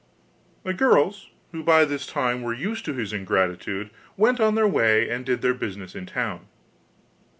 The girls, who by this time were used to his ingratitude, went on their way and did their business in town.